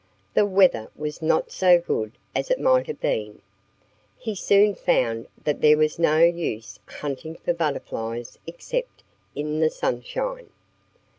The weather was not so good as it might have been. He soon found that there was no use hunting for butterflies except in the sunshine.